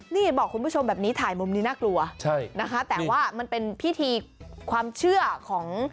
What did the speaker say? นี่บอกคุณผู้ชมแบบนี้ถ่ายมุมนี้น่ากลัวใช่นะคะแต่ว่ามันเป็นพิธีความเชื่อของ